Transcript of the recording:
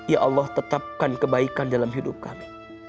ya allah tetapkan kebaikan dalam hidup kami